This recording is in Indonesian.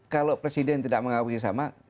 kalau presiden tidak mengakui sama